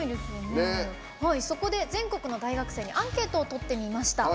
そこで全国の大学生にアンケートをとってみました。